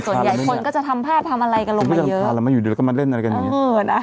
คนก็จะทำความรัมอยู่ดีแล้วก็มาเล่นอะไรกันอย่างนี้เออนะ